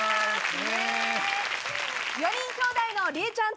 ４人きょうだいのりえちゃんと。